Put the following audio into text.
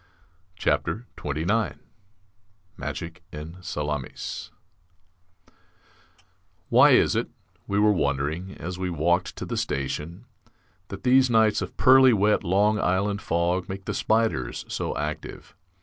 MAGIC IN SALAMIS Why is it (we were wondering, as we walked to the station) that these nights of pearly wet Long Island fog make the spiders so active?